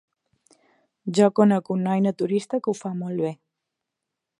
Jo conec un noi naturista que ho fa molt bé.